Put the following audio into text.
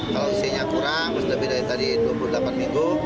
kalau isinya kurang lebih dari tadi dua puluh delapan minggu